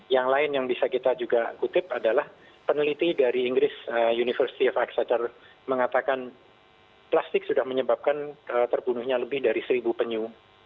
yang lain yang bisa kita juga kutip adalah peneliti dari inggris university of exceder mengatakan plastik sudah menyebabkan terbunuhnya lebih dari seribu penyu